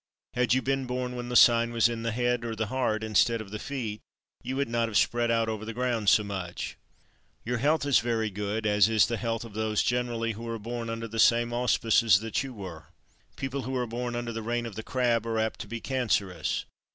Had you been born when the sign was in the head or the heart, instead of the feet, you would not have spread out over the ground so much. "Your health is very good, as is the health of those generally who are born under the same auspices that you were. People who are born under the reign of the crab are apt to be cancerous.